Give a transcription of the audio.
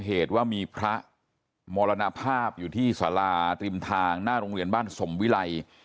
เหตุว่ามีพระมรณภาพอยู่ที่สาราริมทางหน้าโรงเรียนบ้านสมวิไล